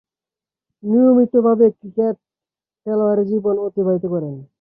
নিয়মিতভাবে ক্রিকেট খেলোয়াড়ী জীবন অতিবাহিত করেন।